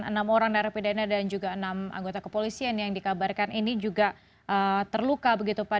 enam orang narapidana dan juga enam anggota kepolisian yang dikabarkan ini juga terluka begitu pak